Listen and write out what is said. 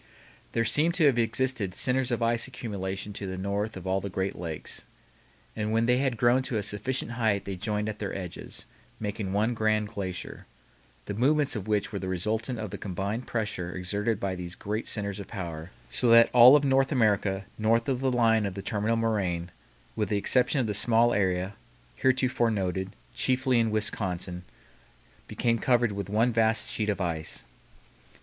There seem to have existed centers of ice accumulation to the north of all of the great lakes. And when they had grown to a sufficient height they joined at their edges, making one grand glacier, the movements of which were the resultant of the combined pressure exerted by these great centers of power, so that all of North America north of the line of the terminal moraine, with the exception of a small area (heretofore noted) chiefly in Wisconsin, became covered with one vast sheet of ice.